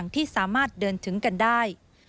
ที่สามารถเดินถึงกันได้